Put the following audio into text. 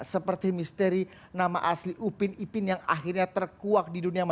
seperti misteri nama asli upin upin yang akhirnya terkuak di dunia